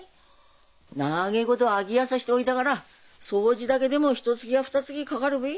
長えこと空き家さしといたから掃除だけでもひとつきやふたつきかかるべえ。